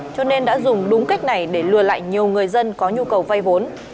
cho nên đã dùng đúng cách này để lừa lại nhiều người dân có nhu cầu vay vốn